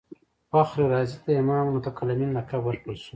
فخر رازي ته امام المتکلمین لقب ورکړل شو.